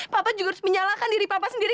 papa juga harus menyalahkan diri papa sendiri